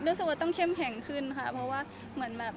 รู้สึกว่าต้องเข้มแข็งขึ้นค่ะเพราะว่าเหมือนแบบ